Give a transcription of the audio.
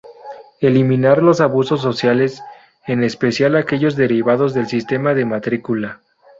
Eliminar los abusos sociales, en especial aquellos derivados del sistema de matrícula.